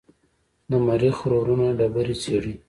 د مریخ روورونه ډبرې څېړي.